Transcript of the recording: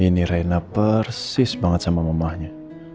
ini reina persis banget sama mamahnya